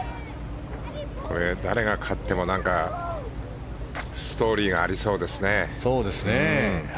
誰が勝ってもストーリーがありそうですね。